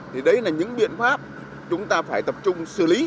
thì đấy là những biện pháp chúng ta phải tập trung xử lý